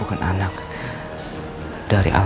umar tidak kecil